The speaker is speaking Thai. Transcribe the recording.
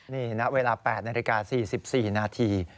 นี่ณเวลา๘นาฬิกา๔๔นาที